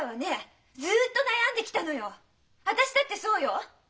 私だってそうよ！